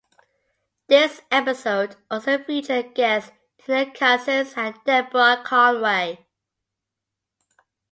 This episode also featured guests Tina Cousins and Deborah Conway.